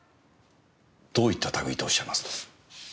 どういった類とおっしゃいますと？